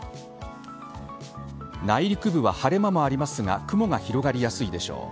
内陸部は晴れ間もありますが雲が広がりやすいでしょう。